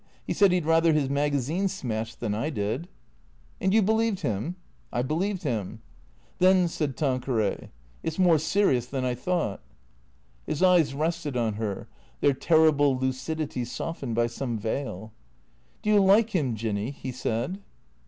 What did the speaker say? He said he 'd rather his magazine smashed than I did." " And you believed him ?"" I believed him." " Then," said Tanqueray, " it 's more serious than I thought." His eyes rested on her, their terrible lucidity softened by some veil. "Do you like him, Jinny?" he said.